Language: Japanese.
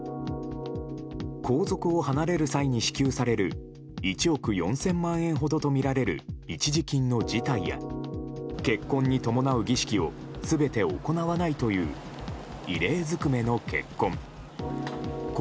皇族を離れる際に支給される１億４０００万円ほどとみられる一時金の辞退や結婚に伴う儀式を全て行わないという異例ずくめの結婚。